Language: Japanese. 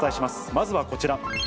まずはこちら。